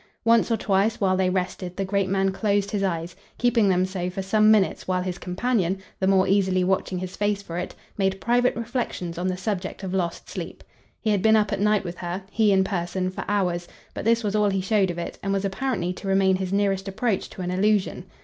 Once or twice while they rested the great man closed his eyes keeping them so for some minutes while his companion, the more easily watching his face for it, made private reflexions on the subject of lost sleep. He had been up at night with her he in person, for hours; but this was all he showed of it and was apparently to remain his nearest approach to an allusion.